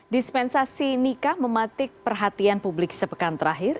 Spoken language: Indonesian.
dispensasi nikah mematik perhatian publik sepekan terakhir